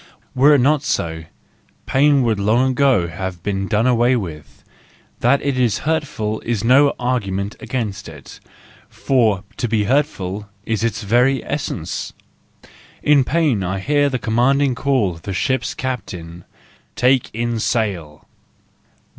Were it not so, pain would long ago have been done away with ; that it is hurtful is no argument against it, for to be hurtful is its very essence. In pain I hear the commanding call of the ship's captain : "Take in sail!"